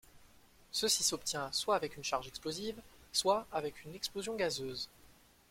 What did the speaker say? Ceci s'obtient soit avec une charge explosive, soit avec une explosion gazeuse.